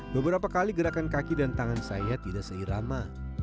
beberapa kali gerakan kaki dan tangan saya tidak seirama